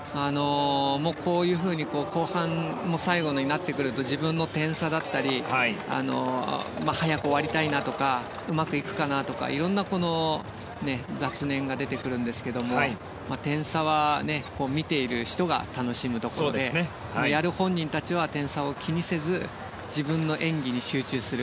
こういうふうに後半の最後になってくると自分の点差だったり早く終わりたいなとかうまくいくかなとかいろんな雑念が出てくるんですが点差は見ている人が楽しむことでやる本人たちは点差を気にせず自分の演技に集中する。